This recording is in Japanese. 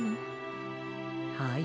はい。